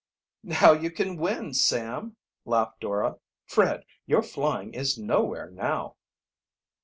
"Now you can win, Sam!" laughed Dora. "Fred, your flying is nowhere now."